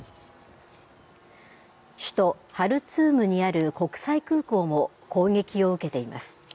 首都ハルツームにある国際空港も攻撃を受けています。